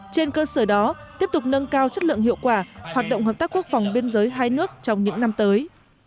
trên cơ sở đó tiếp tục nâng cao chất lượng hiệu quả hoạt động hợp tác quốc phòng biên giới hai nước trong những năm tới